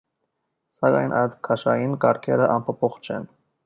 Սակայն այդ քաշային կարգերը անփոփոխ չեն։